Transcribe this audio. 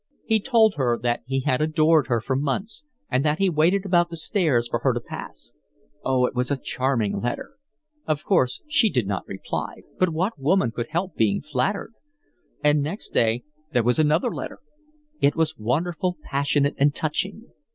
He told her that he had adored her for months, and that he waited about the stairs for her to pass. Oh, it was a charming letter! Of course she did not reply, but what woman could help being flattered? And next day there was another letter! It was wonderful, passionate, and touching.